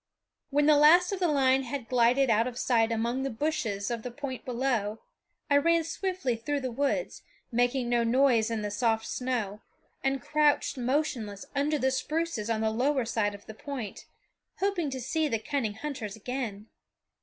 When the last of the line had glided out of sight among the bushes of the point below, I ran swiftly through the woods, making no noise in the soft snow, and crouched motionless under the spruces on the lower side of the point, hoping to see the cunning hunters again.